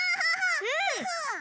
うん。